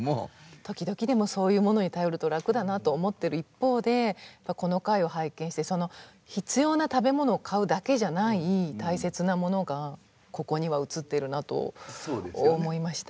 時々でもそういうものに頼ると楽だなと思ってる一方でこの回を拝見して必要な食べ物を買うだけじゃない大切なものがここには映ってるなと思いました。